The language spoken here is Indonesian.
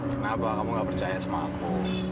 kenapa kamu gak percaya sama aku